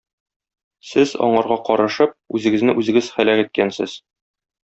Сез, аңарга карышып, үзегезне үзегез һәлак иткәнсез.